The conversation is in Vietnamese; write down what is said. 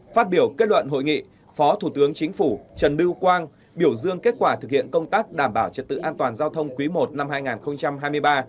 phát biểu kết luận hội nghị phó thủ tướng chính phủ trần lưu quang biểu dương kết quả thực hiện công tác đảm bảo trật tự an toàn giao thông quý i năm hai nghìn hai mươi ba